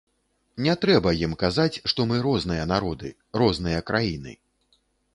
Не трэба ім казаць, што мы розныя народы, розныя краіны.